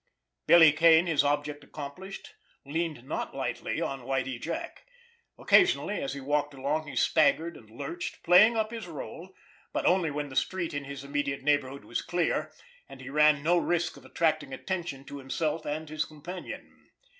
Billy Kane, his object accomplished, leaned not lightly on Whitie Jack. Occasionally, as he walked along, he staggered and lurched, playing up his rôle—but only when the street in his immediate neighborhood was clear, and he ran no risk of attracting attention to himself and his companion!